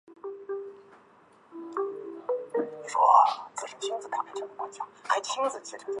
截基鸭绿乌头为毛茛科乌头属下的一个变种。